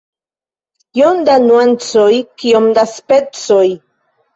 Kiom da nuancoj, kiom da specoj!